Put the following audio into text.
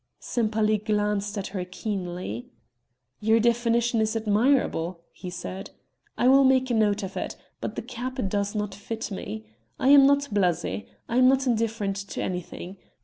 Sempaly glanced at her keenly. "Your definition is admirable," he said, "I will make a note of it; but the cap does not fit me. I am not blasé, I am not indifferent to anything.